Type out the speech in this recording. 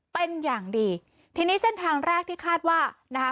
เป็นอย่างดีทีนี้เส้นทางแรกที่คาดว่านะคะ